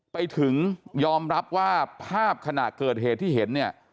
ไปถึงยอมรับว่าภาพขณะเกิดเหตุที่เห็นเนี่ย